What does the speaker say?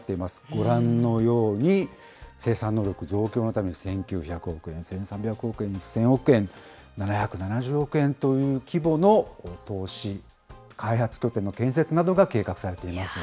ご覧のように、生産能力増強のため、１９００億円、１３００億円、１０００億円、７７０億円という規模の投資、開発拠点の建設などが計画されています。